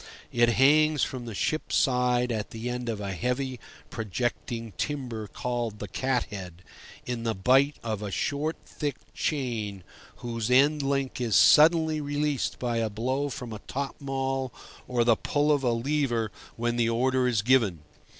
It hangs from the ship's side at the end of a heavy, projecting timber called the cat head, in the bight of a short, thick chain whose end link is suddenly released by a blow from a top maul or the pull of a lever when the order is given.